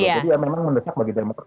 jadi ya memang mendesak bagi demokrat